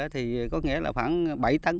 thì có nghĩa là khoảng bảy tấn